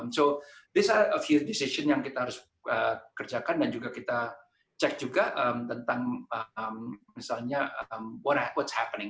so these are a few decision yang kita harus kerjakan dan juga kita cek juga tentang misalnya what's happening